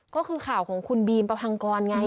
ก็คือข่าวของคุณบีมประพังกรไง